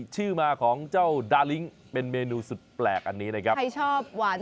ชื่อมาของเจ้าดาลิ้งเป็นเมนูสุดแปลกอันนี้นะครับใครชอบหวาน